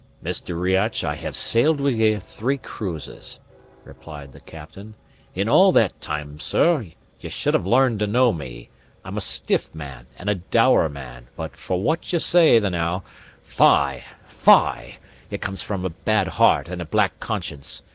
"Mr. Riach, I have sailed with ye three cruises," replied the captain. "In all that time, sir, ye should have learned to know me: I'm a stiff man, and a dour man; but for what ye say the now fie, fie! it comes from a bad heart and a black conscience.